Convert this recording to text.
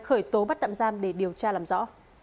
khởi tố bắt tạm giam để điều tra làm rõ